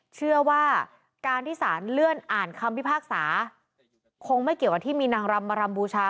เชื่อว่าการที่สารเลื่อนอ่านคำพิพากษาคงไม่เกี่ยวกับที่มีนางรำมารำบูชา